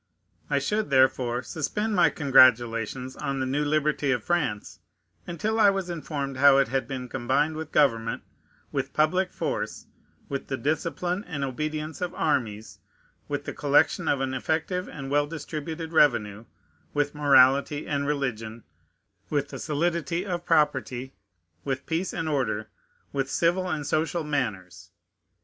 I should therefore suspend my congratulations on the new liberty of France, until I was informed how it had been combined with government, with public force, with the discipline and obedience of armies, with the collection of an effective and well distributed revenue, with morality and religion, with solidity and property, with peace and order, with civil and social manners.